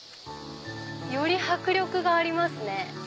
より迫力がありますね。